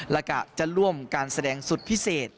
และกะจะร่วมการแสดงสุดพิเศษ